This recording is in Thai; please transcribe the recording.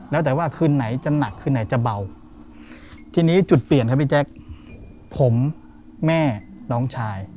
แล้วแต่ว่าคืนไหนจะหนักคืนไหนจะเบาทีนี้จุดเปลี่ยนครับพี่แจ๊คผมแม่น้องชาย